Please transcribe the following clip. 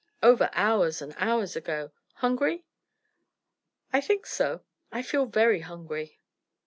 "Over hours and hours ago. Hungry?" "I think so: I feel very hungry."